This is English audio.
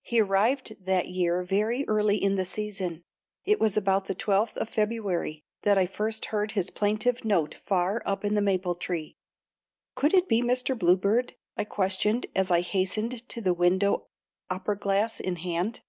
He arrived that year very early in the season. It was about the twelfth of February that I first heard his plaintive note far up in the maple tree. Could it be Mr. Bluebird, I questioned as I hastened to the window opera glass in hand?